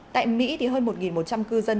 tại mỹ thì hơn một một trăm linh cư dân